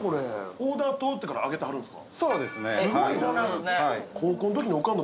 オーダーが通ってから揚げてはるんですか？